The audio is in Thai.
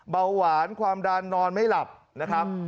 เบาหวานความดันนอนไม่หลับนะครับ